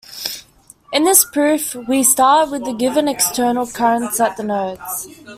In this proof, we start with given external currents at the nodes.